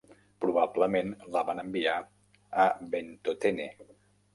Probablement la van enviar a Ventotene.